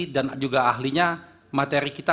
dan juga ahlinya materi kita